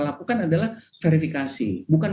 lakukan adalah verifikasi bukan